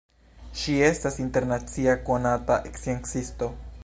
Ŝi estas internacia konata sciencisto.